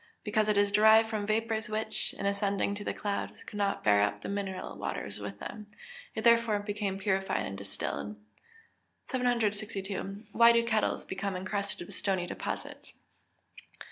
_ Because it is derived from vapours which, in ascending to the clouds, could not bear up the mineral waters with them. It therefore became purified or distilled. 762. _Why do kettles become encrusted with stony deposits?